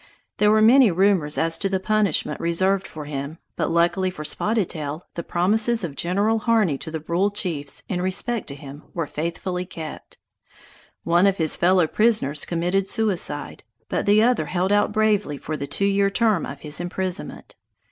There were many rumors as to the punishment reserved for him; but luckily for Spotted Tail, the promises of General Harney to the Brule chiefs in respect to him were faithfully kept. One of his fellow prisoners committed suicide, but the other held out bravely for the two year term of his imprisonment.